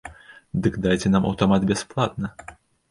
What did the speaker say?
Дык дайце нам аўтамат бясплатна.